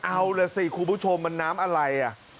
เอาล่ะสิคุณผู้ชมมันน้ำอะไรอ่ะ